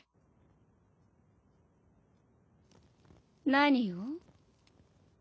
何を？